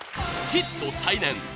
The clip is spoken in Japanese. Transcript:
ヒット再燃！